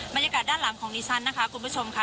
บรรยากาศด้านหลังของดิฉันนะคะคุณผู้ชมค่ะ